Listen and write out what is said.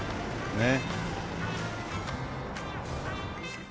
ねっ。